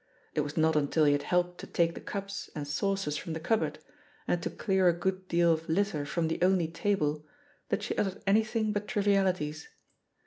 It was not until he had helped to take the cups and saucers from the cupboard and to clear a good ide^rfl of litter from the only table that she uttered anything but trivialities.